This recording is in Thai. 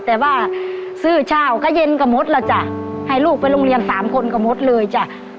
แต่ว่าซื้อเช้าก็เย็นก็หมดแล้วจ้ะให้ลูกไปโรงเรียนสามคนก็หมดเลยจ้ะ